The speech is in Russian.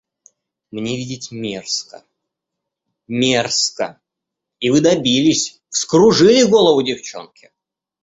Мне видеть мерзко, мерзко, и вы добились, вскружили голову девчонке.